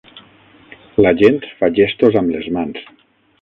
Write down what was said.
La gent fa gestos amb les mans.